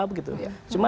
cuma ada beberapa